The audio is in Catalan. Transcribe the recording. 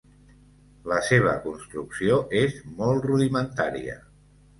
La seva construcció és molt rudimentària.